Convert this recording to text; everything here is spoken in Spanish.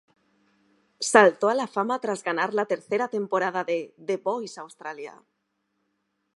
Saltó a la fama tras ganar la tercera temporada de The Voice Australia.